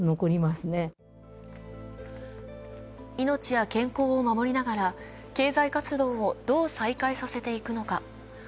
命や健康を守りながら経済活動をどう再開させていくのか。